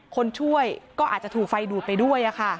คนช่วยก็อาจจะถูกไฟดูดไปด้วย